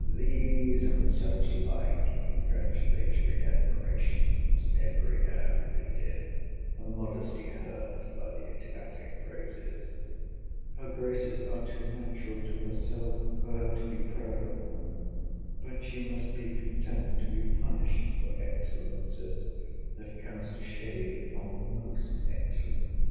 These and such like congratulatory admirations every hour repeated. Her modesty hurt by the ecstatic praises:—'Her graces are too natural to herself for her to be proud of them: but she must be content to be punished for excellencies that cast a shade upon the most excellent!